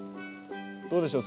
どうでしょう？